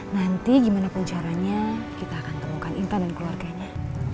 nanti gimana pun caranya kita akan temukan inta dan keluarganya